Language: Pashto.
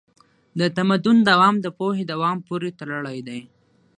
د تمدن دوام د پوهې دوام پورې تړلی دی.